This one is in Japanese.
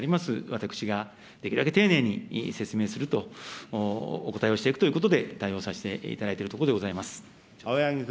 私ができるだけ丁寧に説明すると、お答えをしていくということで対応させていただいているところで青柳君。